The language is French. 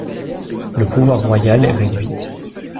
Le pouvoir royal est réduit.